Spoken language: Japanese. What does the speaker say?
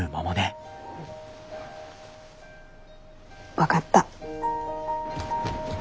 分かった。